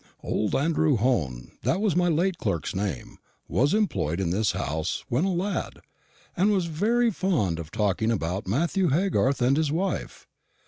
Old Andrew Hone that was my late clerk's name was employed in this house when a lad, and was very fond of talking about Matthew Haygarth and his wife.